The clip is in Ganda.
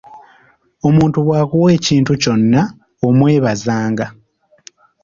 Omuntu bw'akuwa ekintu kyonna omwebazanga.